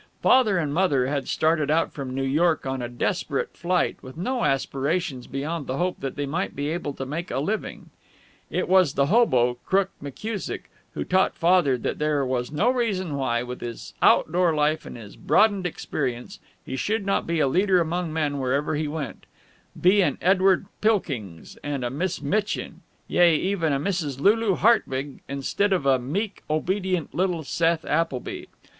Father and Mother had started out from New York on a desperate flight, with no aspirations beyond the hope that they might be able to make a living. It was the hobo, Crook McKusick, who taught Father that there was no reason why, with his outdoor life and his broadened experience, he should not be a leader among men wherever he went; be an Edward Pilkings and a Miss Mitchin, yea, even a Mrs. Lulu Hartwig, instead of a meek, obedient, little Seth Appleby.